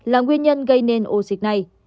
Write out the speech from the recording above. là nguyên nhân gây nên ổ dịch này